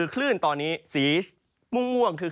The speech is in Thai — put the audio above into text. คลื่นตอนนี้สีม่วงคือ